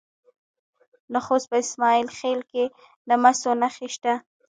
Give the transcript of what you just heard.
د خوست په اسماعیل خیل کې د مسو نښې شته.